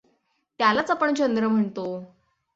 त्यालाच आपण चंद्र म्हणतो.